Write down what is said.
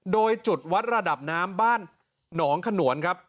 โดยจุดวัดระดับน้ำบ้านหนองขนวนครับ